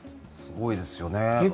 すごいですよね。